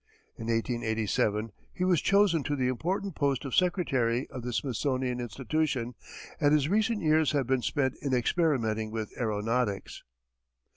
In 1887, he was chosen to the important post of secretary of the Smithsonian Institution, and his recent years have been spent in experimenting with aëronautics.